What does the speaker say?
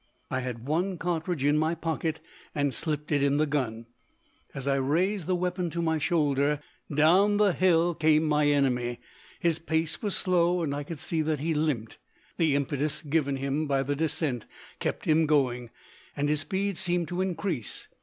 I had one cartridge in my pocket and slipped it in the gun. As I raised the weapon to my shoulder, down the hill came my enemy. His pace was slow and I could see that he limped. The impetus given him by the descent kept him going, and his speed seemed to increase.